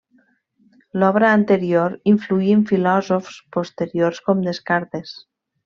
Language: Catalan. L’obra anterior influí en filòsofs posteriors com Descartes.